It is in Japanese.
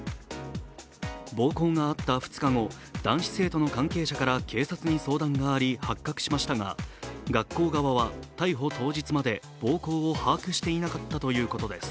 暴行があった２日後、男子生徒の関係者から警察に相談があり発覚しましたが、学校側は逮捕当日まで暴行を把握していなかったということです。